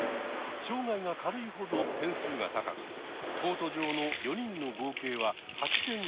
障害が軽いほど点数が高くコート上の４人の合計は８点以内。